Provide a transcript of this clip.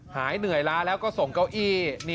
หายเหนื่อยล้าแล้วก็ส่งเก้าอี้